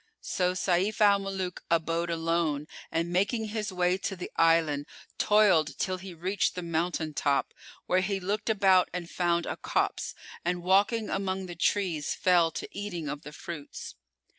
So Sayf al Muluk abode alone, and making his way to the island, toiled till he reached the mountain top, where he looked about and found a copse, and walking among the trees fell to eating of the fruits.